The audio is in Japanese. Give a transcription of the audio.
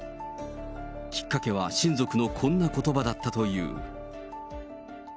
きっかけは親族のこんなことばだったという。